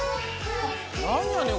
何やねん！